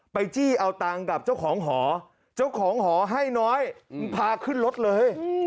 จี้เอาตังค์กับเจ้าของหอเจ้าของหอให้น้อยพาขึ้นรถเลย